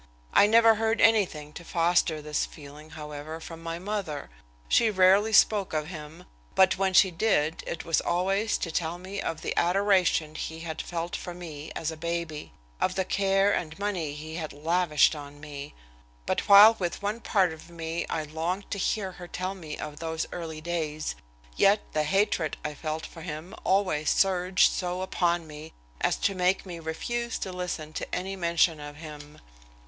I never heard anything to foster this feeling, however, from my mother. She rarely spoke of him, but when she did it was always to tell me of the adoration he had felt for me as a baby, of the care and money he had lavished on me. But while with one part of me I longed to hear her tell me of those early days, yet the hatred I felt for him always surged so upon me as to make me refuse to listen to any mention of him.